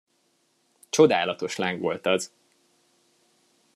Csodálatos láng volt az!